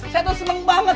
saya tuh seneng banget